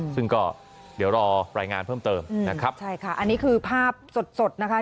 ซึ่งก็เดี๋ยวรอรายงานเพิ่มเติมนะครับใช่ค่ะอันนี้คือภาพสดสดนะคะ